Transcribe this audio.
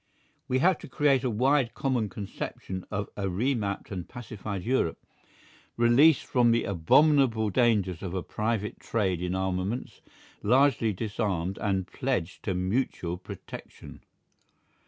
We have to create a wide common conception of a re mapped and pacified Europe, released from the abominable dangers of a private trade in armaments, largely disarmed and pledged to mutual protection.